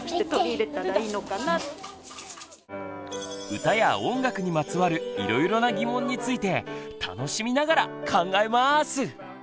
歌や音楽にまつわるいろいろな疑問について楽しみながら考えます！